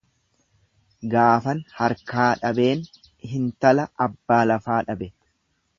Gaafan harkaa dhabeen hintala abbaa lafaa dhabe.